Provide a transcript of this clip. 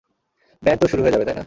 Band তো শুরু হয়ে যাবে, তাই না?